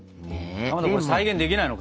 かまどこれ再現できないの？